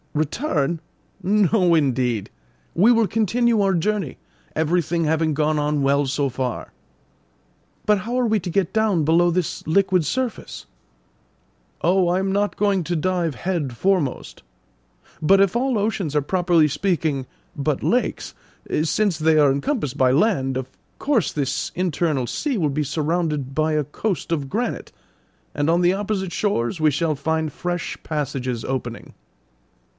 "Return! no, indeed! We will continue our journey, everything having gone on well so far." "But how are we to get down below this liquid surface?" "Oh, I am not going to dive head foremost. But if all oceans are properly speaking but lakes, since they are encompassed by land, of course this internal sea will be surrounded by a coast of granite, and on the opposite shores we shall find fresh passages opening."